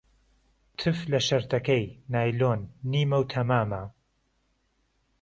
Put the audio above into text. تف له شهرتهکهی، نایلۆن، نیمه و تهمامه